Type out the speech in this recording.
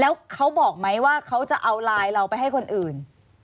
แล้วเขาบอกไหมว่าเขาจะเอาไลน์เราไปให้คนอื่น